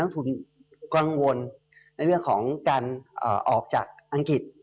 ทุนกังวลในเรื่องของการออกจากอังกฤษ